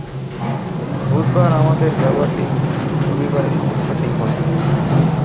বুধবার আমাদের যাবার দিন, রবিবারে সমস্ত ঠিক হল।